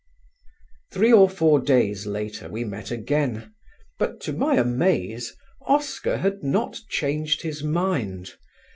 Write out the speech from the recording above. Three or four days later we met again, but to my amaze Oscar had not changed his mind.